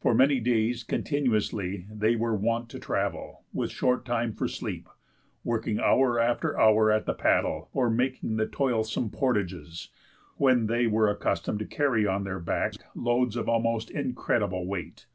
For many days continuously they were wont to travel, with short time for sleep, working hour after hour at the paddle, or making the toilsome portages, when they were accustomed to carry on their backs loads of almost incredible weight.